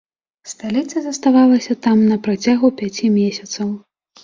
Сталіца заставалася там на працягу пяці месяцаў.